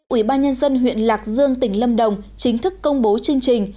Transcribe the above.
ủy ban nhân dân huyện lạc dương tỉnh lâm đồng chính thức công bố chương trình